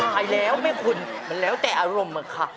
ไปแล้วแม่คุณมันแล้วแต่อารมณ์อะค่ะ